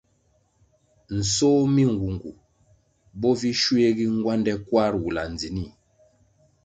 Nsoh mi nwungu bo vi shuegi ngwande kwarʼ wula ndzinih.